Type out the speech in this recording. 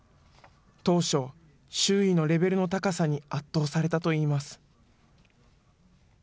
当初、周囲のレベルの高さに圧倒されたといいます。